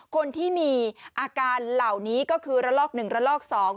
คนที่มีอาการเหล่านี้ก็คือระลอก๑ระลอก๒